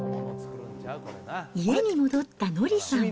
家に戻った乃りさん。